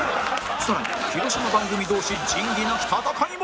更に広島番組同士仁義なき戦いも！